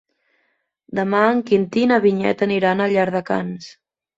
Demà en Quintí i na Vinyet aniran a Llardecans.